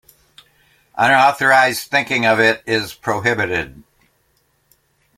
Unauthorized thinking of it is prohibited.